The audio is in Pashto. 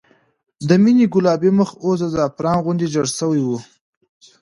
د مينې ګلابي مخ اوس د زعفران غوندې زېړ شوی و